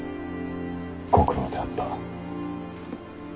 ご苦労であった。